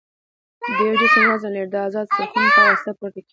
د یو جسم وزن لري د ازادو څرخونو په واسطه پورته کیږي.